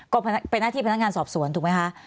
ก็เป็นหน้าที่พนักงานสอบสวนถูกไหมคะ